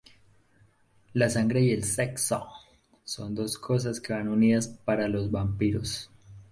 La sangre y el sexo son dos cosas que van unidas para los vampiros.